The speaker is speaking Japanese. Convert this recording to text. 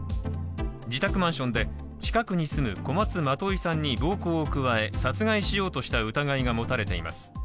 自宅マンションで近くに住む小松まといさんに暴行を加え殺害しようとした疑いがもたれています。